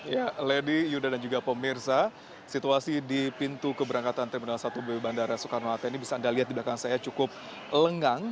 ya lady yuda dan juga pemirsa situasi di pintu keberangkatan terminal satu b bandara soekarno hatta ini bisa anda lihat di belakang saya cukup lengang